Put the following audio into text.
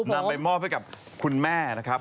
นำไปมอบให้กับคุณแม่นะครับ